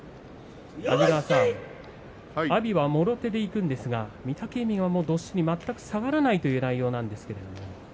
安治川さん、阿炎はもろ手でいくんですが御嶽海はどっしり下がらないという内容なんですけど。